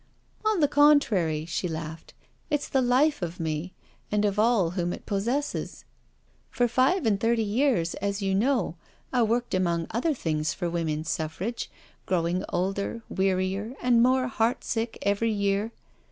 *' On the contrary/* she laughed, " it's the life of me, and of all whom it possesses. For five and thirty years, as you know, I worked among other things for Women's Suffrage, growing older, wearier, and more heart sick every year.